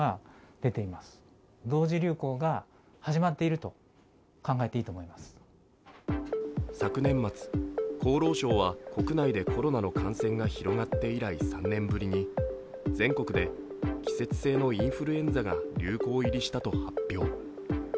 そして昨年末、厚労省は国内でコロナの感染が広がって以来、３年ぶりに全国で季節性のインフルエンザが流行入りしたと発表。